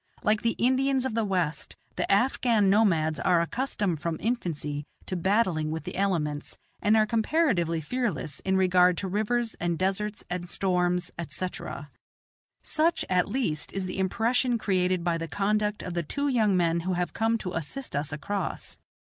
Like the Indians of the West, the Afghan nomads are accustomed from infancy to battling with the elements, and are comparatively fearless in regard to rivers and deserts and storms, etc. Such, at least, is the impression created by the conduct of the two young men who have come to assist us across.